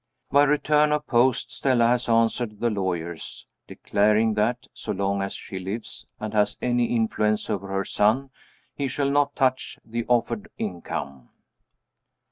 By return of post, Stella has answered the lawyers, declaring that, so long as she lives, and has any influence over her son, he shall not touch the offered income.